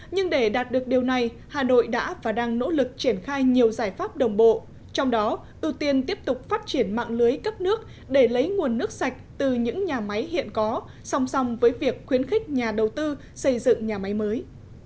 nhưng để đạt được điều này hà nội đã và đang nỗ lực triển khai nhiều giải pháp đồng bộ trong đó ưu tiên tiếp tục phát triển mạng lưới cấp nước để lấy nguồn nước sạch từ những nhà máy hiện có song song với việc khuyến khích nhà đầu tư xây dựng nhà máy mới